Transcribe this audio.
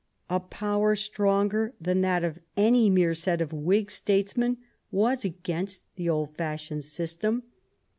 A power stronger than that of any mere set of Whig states men was against the old fashioned system.